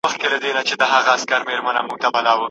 که ته غواړې سم ولیکې نو املا ته پام کوه.